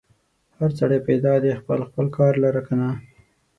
هر سړی پیدا دی خپل خپل کار لره که نه؟